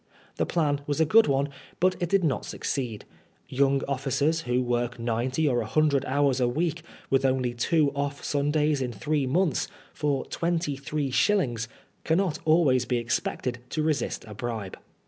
The plan was a good one, but it did not succeed. Young officers, who work ninety or a hundred hours a week, with only two off Sundays in three months, for twenty three shillings, cannot always be expected to resist a bribe.